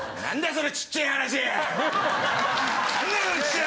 そのちっちぇ話！